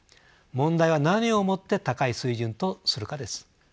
問題は何をもって高い水準とするかです。